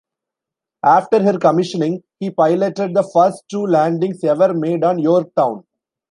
After her commissioning, he piloted the first two landings ever made on "Yorktown".